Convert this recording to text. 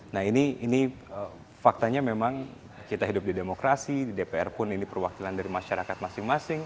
nah ini faktanya memang kita hidup di demokrasi di dpr pun ini perwakilan dari masyarakat masing masing